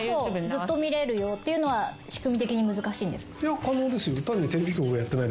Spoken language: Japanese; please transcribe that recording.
ずっと見れるよっていうのは仕組み的に難しいんですか？